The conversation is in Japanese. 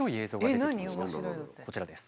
こちらです。